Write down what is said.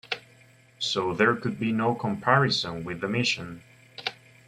So there could be no comparison with The Mission.